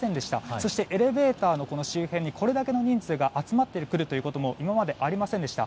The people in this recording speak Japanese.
そしてエレベーターの周辺にこれだけの人数が集まってくるということも今までありませんでした。